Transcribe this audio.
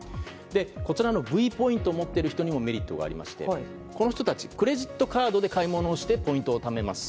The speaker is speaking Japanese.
こちらのＶポイントを持っている人にもメリットがありましてこの人たちはクレジットカードで買い物をしてポイントをためます。